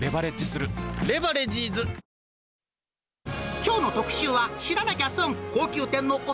きょうの特集は、知らなきゃ損！